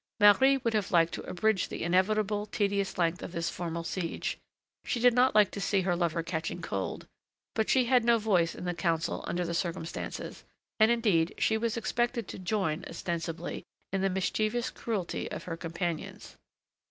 Marie would have liked to abridge the inevitable tedious length of this formal siege; she did not like to see her lover catching cold, but she had no voice in the council under the circumstances, and, indeed, she was expected to join, ostensibly, in the mischievous cruelty of her companions.